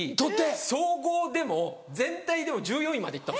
総合でも全体でも１４位まで行ったんですよ。